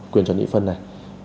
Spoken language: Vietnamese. quyền chọn nghị phân này